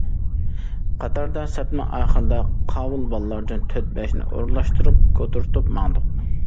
قاتاردا سەپنىڭ ئاخىرىدا قاۋۇل بالىلاردىن تۆت- بەشنى ئورۇنلاشتۇرۇپ كۆتۈرتۈپ ماڭدۇق.